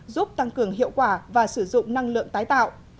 giúp tăng cường hiệu quả và sử dụng năng lượng tái tạo